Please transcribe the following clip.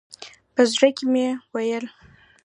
په زړه کې مې ویل.